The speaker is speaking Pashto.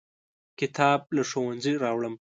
کتاب له ښوونځي راوړم.